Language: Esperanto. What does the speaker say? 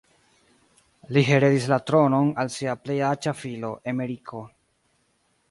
Li heredis la tronon al sia plej aĝa filo, Emeriko.